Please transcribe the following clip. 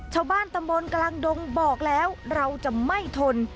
ชาวบ้านตำบลกลางดงบอกแล้วเราจะไม่ทน